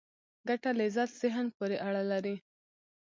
ګټه لذت ذهن پورې اړه لري.